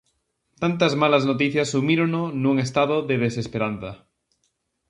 Tantas malas noticias sumírono nun estado de desesperanza.